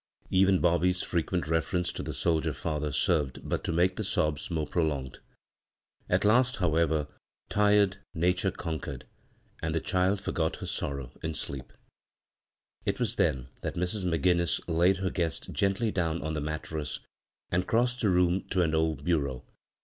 Even Bobby's frequent refer ence to the soldier father served but to make the sobs more prolonged. At last, however, tired nature conquered, and the child lorgot her sorrow in sleep. 46 b, Google CROSS CURRENTS It was then that Mrs. McGinnis laid her guest gently down on the mattress, and crossed the room to an old bureau.